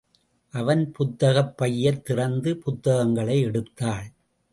அவன் புத்தகப் பையைத் திறந்து புத்தகங்களை எடுத்தாள்.